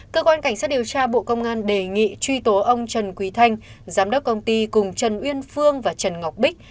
cơ quan cảnh sát điều tra bộ công an đề nghị truy tố ông trần quý thanh giám đốc công ty cùng trần uyên phương và trần ngọc bích